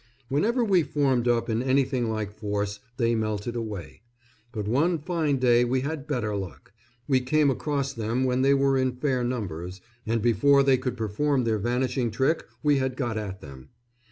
Whenever we formed up in anything like force they melted away; but one fine day we had better luck we came across them when they were in fair numbers, and before they could perform their vanishing trick we had got at them.